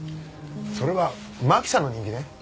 それはマキさんの人気ね。